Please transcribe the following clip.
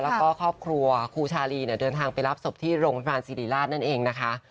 แล้วก็ครอบครัวครูชาลีเนี่ยเดินทางไปรับศพที่โรงพยาบาลสิริราชนั่นเองนะคะ